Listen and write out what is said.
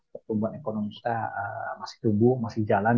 pertumbuhan ekonomi kita masih tumbuh masih jalan